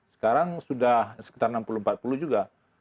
sekarang sudah sekitar enam puluh empat puluh juga